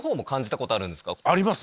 あります